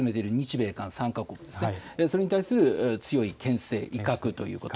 米韓３か国ですね、それに対する強いけん制、威嚇ということ。